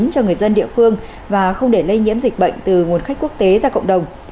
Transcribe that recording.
cho người dân địa phương và không để lây nhiễm dịch bệnh từ nguồn khách quốc tế ra cộng đồng